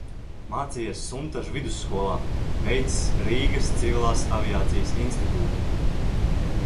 Mācījies Suntažu vidusskolā, beidzis Rīgas Civilās aviācijas institūtu.